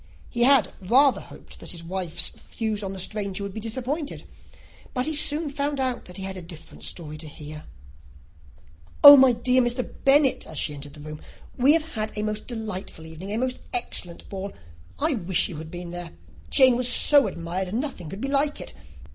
He had rather hoped that all his wife's views on the stranger would be disappointed; but he soon found that he had a very different story to hear. "Oh, my dear Mr. Bennet," as she entered the room, "we have had a most delightful evening, a most excellent ball. I wish you had been there. Jane was so admired, nothing could be like it.